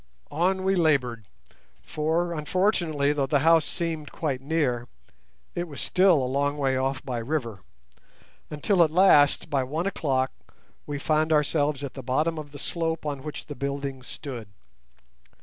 On we laboured, for, unfortunately, though the house seemed quite near, it was still a long way off by river, until at last, by one o'clock, we found ourselves at the bottom of the slope on which the building stood.